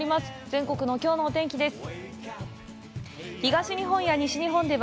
全国のきょうのお天気です。